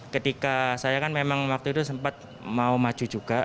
ketika saya kan memang waktu itu sempat mau maju juga